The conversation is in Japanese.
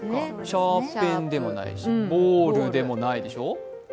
シャーペンでもないし、ボールでもないでしょ。